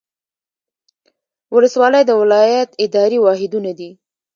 ولسوالۍ د ولایت اداري واحدونه دي